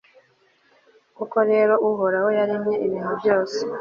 koko rero uhoraho yaremye ibintu byose